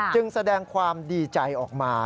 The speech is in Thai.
แสดงความดีใจออกมา